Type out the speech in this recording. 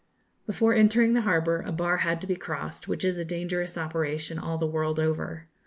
Before entering the harbour, a bar had to be crossed, which is a dangerous operation all the world over.